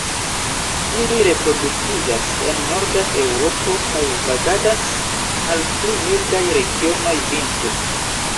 Ili reproduktiĝas en norda Eŭropo kaj vagadas al pli mildaj regionoj vintre.